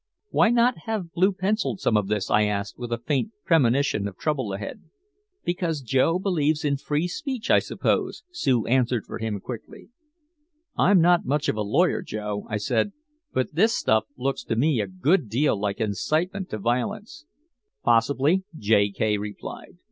"Why not have blue penciled some of this?" I asked, with a faint premonition of trouble ahead. "Because Joe believes in free speech, I suppose," Sue answered for him quickly. "I'm not much of a lawyer, Joe," I said. "But this stuff looks to me a good deal like incitement to violence." "Possibly," J. K replied.